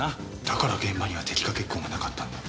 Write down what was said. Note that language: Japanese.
だから現場には滴下血痕がなかったんだ。